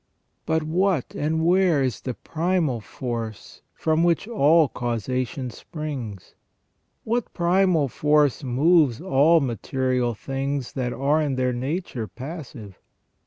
But what, and where, is the primal force from which all causation springs ? What primal force moves all material things that are in their nature passive